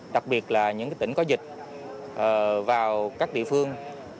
đặc biệt là những tỉnh có dịch vào các địa phương